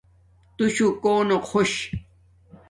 تُشُݸ کݸنݸ خݸش؟